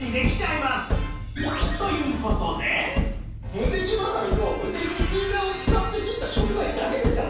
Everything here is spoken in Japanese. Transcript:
ムテキバサミとムテキピーラーを使って切った食材だけですからね。